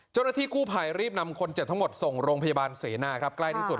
เจ้าหน้าที่กู้ภัยรีบนำคนเจ็บทั้งหมดส่งโรงพยาบาลเสนาครับใกล้ที่สุด